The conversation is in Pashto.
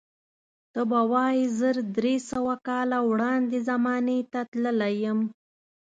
ته به وایې زر درې سوه کاله وړاندې زمانې ته تللی یم.